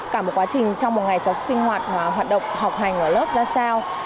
cả một quá trình trong một ngày cháu sinh hoạt và hoạt động học hành ở lớp ra sao